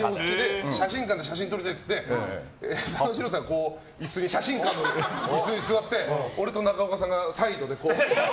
写真館で写真撮りたいって行って佐野史郎さんが写真館の椅子に座って俺と中岡さんがサイドでこう。